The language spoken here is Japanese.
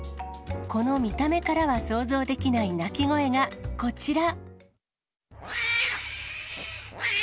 この見た目からは想像できない鳴き声がこちら。